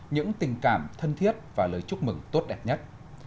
những tình cảm thân thiết và lời chúc mừng tốt đẹp nhất